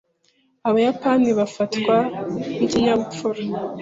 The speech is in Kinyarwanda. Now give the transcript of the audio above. Abayapani bafatwa nkikinyabupfura.